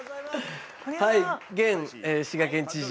はい現滋賀県知事